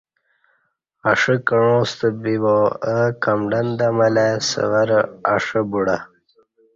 اݜہ کعاں ستہ بیبا او کمڈن دمہ لہ ائی سورہ اݜہ بوڈہ